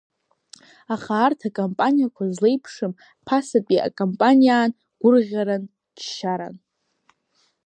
Аха арҭ акампаниақәа злеиԥшым ԥасатәи акампаниаан, гәырӷьаран, ччаран…